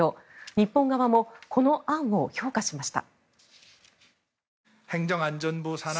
日本側もこの案を評価しました。